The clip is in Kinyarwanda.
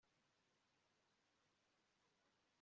bafata ijambo